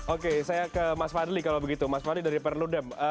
oke saya ke mas fadli kalau begitu mas fadli dari perludem